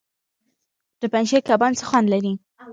د پنجشیر کبان څه خوند لري؟